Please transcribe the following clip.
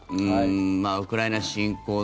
ウクライナ侵攻